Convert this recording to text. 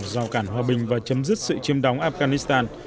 đào cản hòa bình và chấm dứt sự chiếm đóng afghanistan